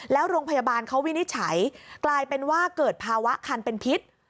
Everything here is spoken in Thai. แล้วโรงพยาบาลเขาวินิจฉัยกลายเป็นว่าเกิดภาวะคันเป็นพิษ